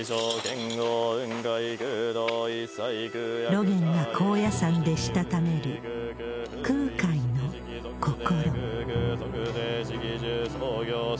露巌が高野山でしたためる空海の心。